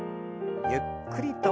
ゆっくりと。